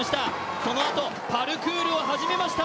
そのあと、パルクールを始めました。